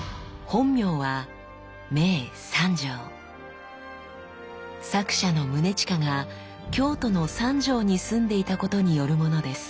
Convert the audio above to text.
本名は作者の宗近が京都の三条に住んでいたことによるものです。